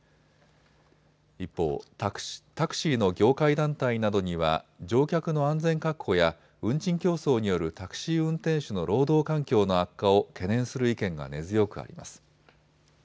一方、タクシーの業界団体などには乗客の安全確保や運賃競争によるタクシー運転手の労働環境の悪化を懸念する意見が根強くあります。